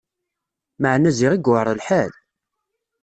Meεna ziɣ i yuεer lḥal!